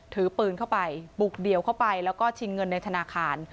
ถือปืนเข้าไปบุกเดี่ยวเข้าไปแล้วก็ชิงเงินในธนาคาร